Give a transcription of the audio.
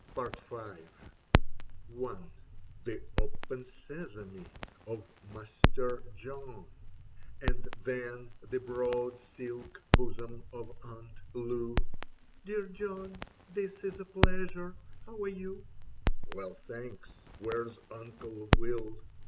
Soles Occidere et Redire Possunt 67 I. THE Open Sesame of " Master John," And then the broad silk bosom of Aunt Loo. " Dear John, this is a pleasure. How are you ?"" Well, thanks. Where's Uncle Will